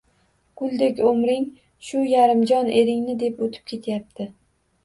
Guldek umring shu yarim jon eringni deb oʻtib ketyapti